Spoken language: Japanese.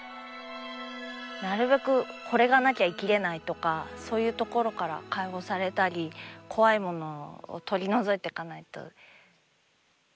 なるべく「これがなきゃ生きれない」とかそういうところから解放されたり怖いものを取り除いていかないと駄目だなと思って。